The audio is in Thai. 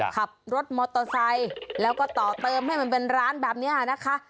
ขับรถมอเตอร์ไซค์แล้วก็ต่อเติมให้มันเป็นร้านแบบนี้นะคะ